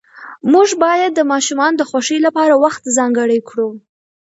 موږ باید د ماشومانو د خوښۍ لپاره وخت ځانګړی کړو